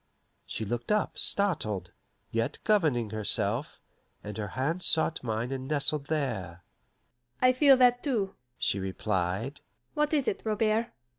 She looked up, startled, yet governing herself, and her hand sought mine and nestled there. "I feel that, too," she replied.